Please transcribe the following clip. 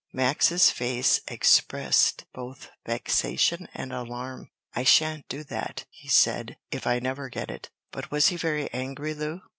Max's face expressed both vexation and alarm. "I sha'n't do that," he said, "if I never get it. But was he very angry, Lu?"